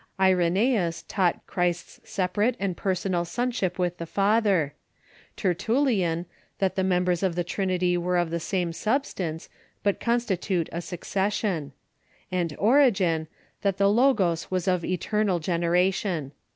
Irena?us taught Christ's separate and personal Sonship with the Father ; Tertullian, that the members of the Trinity are of the same substance, but constitute a succession ; and Origen, that the Logos was of eternal generation.